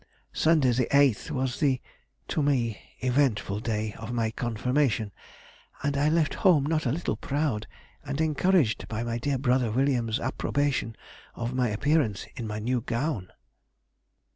"Sunday the 8th was the—to me—eventful day of my confirmation, and I left home not a little proud and encouraged by my dear brother William's approbation of my appearance in my new gown."